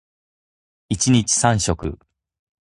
一日三食